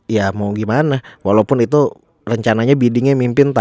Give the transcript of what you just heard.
dua ribu tiga puluh empat ya mau gimana walaupun itu rencananya biddingnya mimpin thailand